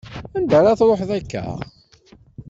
Anda ar ad tṛuḥeḍ akka?